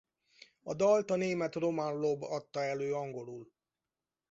A dalt a német Roman Lob adta elő angolul.